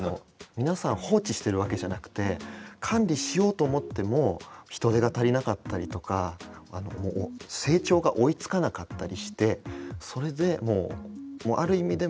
皆さん放置してるわけじゃなくて管理しようと思っても人手が足りなかったりとか成長が追いつかなかったりしてそれでもうある意味でもう困ってるんですよね。